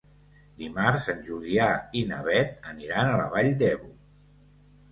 Dimarts en Julià i na Beth aniran a la Vall d'Ebo.